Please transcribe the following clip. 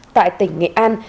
tại tỉnh nghệ an